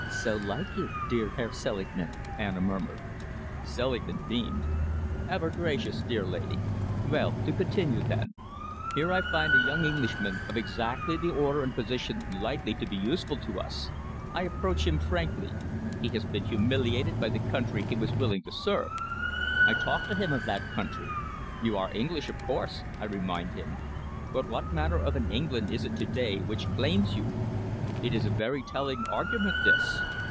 "So like you, dear Herr Selingman!" Anna murmured. Selingman beamed. "Ever gracious, dear lady. Well, to continue, then. Here I find a young Englishman of exactly the order and position likely to be useful to us. I approach him frankly. He has been humiliated by the country he was willing to serve. I talk to him of that country. 'You are English, of course,' I remind him, 'but what manner of an England is it to day which claims you?' It is a very telling argument, this.